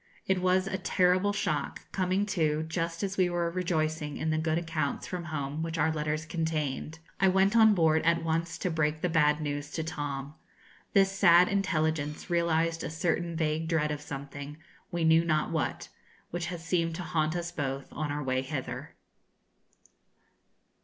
It was a terrible shock, coming, too, just as we were rejoicing in the good accounts from home which our letters contained. I went on board at once to break the bad news to Tom. This sad intelligence realised a certain vague dread of something, we knew not what, which has seemed to haunt us both on our way hither.